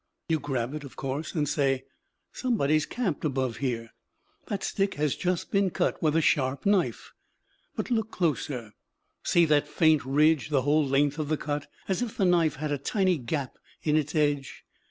You grab it, of course, and say: "Somebody is camped above here. That stick has just been cut with a sharp knife." But look closer; see that faint ridge the whole length of the cut, as if the knife had a tiny gap in its edge.